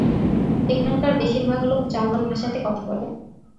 এখানকার বেশিরভাগ লোক জার্মান ভাষাতে কথা বলে।